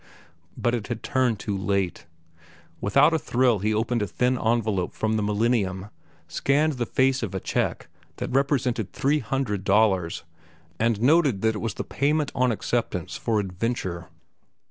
But it had turned too late. Without a thrill he opened a thick envelope from The Millennium, scanned the face of a check that represented three hundred dollars, and noted that it was the payment on acceptance for "Adventure."